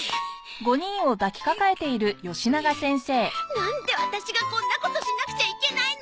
なんでワタシがこんなことしなくちゃいけないのよ！